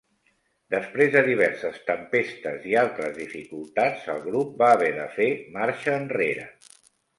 Després de diverses tempestes i altres dificultats, el grup va haver de fer marxa enrere.